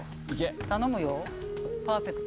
頼むよパーフェクト。